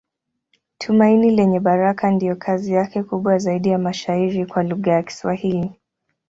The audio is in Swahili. Tumaini Lenye Baraka ndiyo kazi yake kubwa zaidi ya mashairi kwa lugha ya Kiswahili.